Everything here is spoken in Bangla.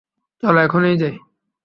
চলো এখন যাই।